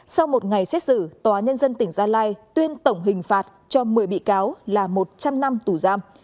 sau một ngày xét xử tòa nhân dân tỉnh gia lai tuyên tổng hình phạt cho một mươi bị cáo là một trăm linh năm tù giam